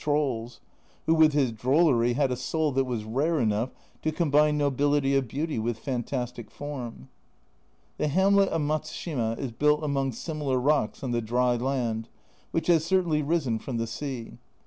A Journal from Japan 29 had a soul that was rare enough to combine nobility of beauty with fantastic form. The hamlet of Matsushima is built among similar rocks on the dry land, which has certainly risen from the sea.